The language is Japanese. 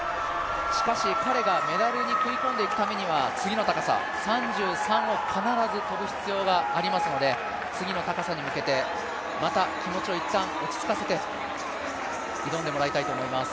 しかし彼がメダルに食い込んでいくためには次の高さ、３３を必ず跳ぶ必要がありますので、次の高さに向けてまた気持ちをいったん落ち着かせて挑んでもらいたいと思います。